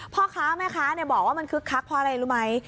พ่อค้าแม่ค้าบอกว่ามันคึกคักเพราะอะไรรู้ไหม